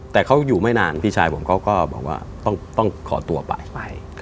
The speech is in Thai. แต่เขาอยู่ไม่นานพี่ชายผมเขาก็บอกว่าต้องขอตัวไปไป